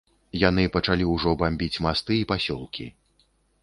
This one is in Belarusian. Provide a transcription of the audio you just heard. Яны пачалі ўжо бамбіць масты і пасёлкі.